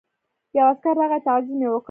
یو عسکر راغی تعظیم یې وکړ.